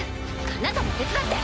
あなたも手伝って。